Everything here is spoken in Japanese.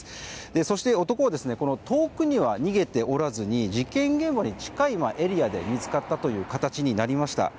そして、男は遠くには逃げておらずに事件現場に近いエリアで見つかったという形になりました。